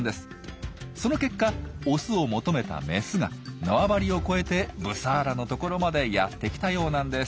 その結果オスを求めたメスが縄張りを越えてブサーラの所までやって来たようなんです。